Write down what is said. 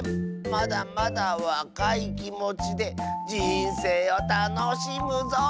まだまだわかいきもちでじんせいをたのしむぞ！